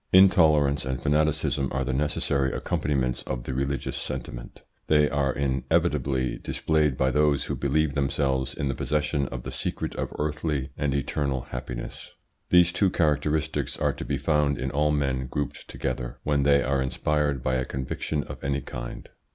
Intolerance and fanaticism are the necessary accompaniments of the religious sentiment. They are inevitably displayed by those who believe themselves in the possession of the secret of earthly or eternal happiness. These two characteristics are to be found in all men grouped together when they are inspired by a conviction of any kind.